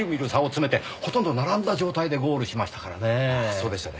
そうでしたね。